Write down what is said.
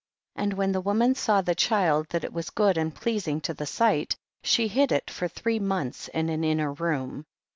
5. And when the woman saw the child that it was good and pleasing to the sight, she hid it for three months in an inner room.